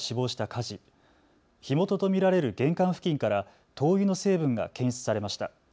火元と見られる玄関付近から灯油の成分が検出されました。